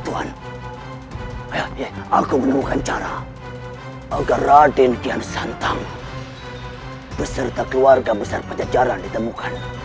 tuhan aku menemukan cara agar raden kian santam beserta keluarga besar pajajaran ditemukan